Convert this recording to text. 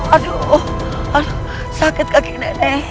aduh sakit kaki nenek